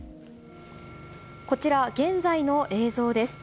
こちら、現在の映像です。